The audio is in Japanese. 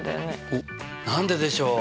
おっ何ででしょう？